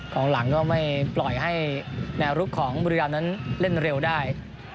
ของหลังก็ไม่ปล่อยให้แนวรุกของบุรีรามนั้นเล่นเร็วได้